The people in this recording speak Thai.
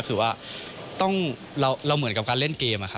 คือว่าเราเหมือนกับการเล่นเกม